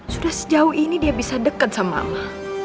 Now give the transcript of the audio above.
sudah sejauh ini dia bisa deket sama mama